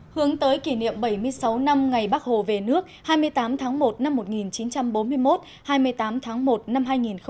hướng tới kỷ niệm bảy mươi sáu năm ngày bắc hồ về nước hai mươi tám tháng một năm một nghìn chín trăm bốn mươi một hai mươi tám tháng một năm hai nghìn hai mươi